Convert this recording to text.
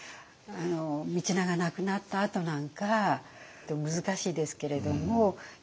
道長亡くなったあとなんか難しいですけれども。